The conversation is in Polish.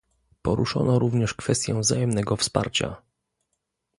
Poruszono również kwestię wzajemnego wsparcia